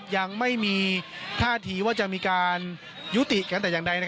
ยังไม่มีท่าทีว่าจะมีการยุติกันแต่อย่างใด